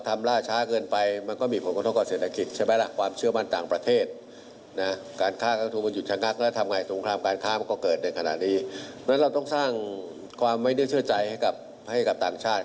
เพราะมีผลกับการลงกลุ่มของเราด้วยนะครับ